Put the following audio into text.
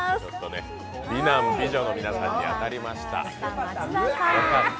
美男美女の皆さんに当たりました。